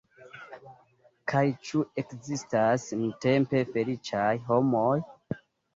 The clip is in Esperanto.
Kaj ĉu ekzistas nuntempe feliĉaj homoj?